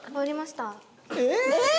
えっ！？